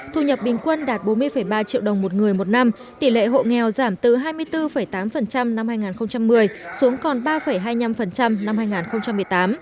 thu nhập bình quân đạt bốn mươi ba triệu đồng một người một năm tỷ lệ hộ nghèo giảm từ hai mươi bốn tám năm hai nghìn một mươi xuống còn ba hai mươi năm năm hai nghìn một mươi tám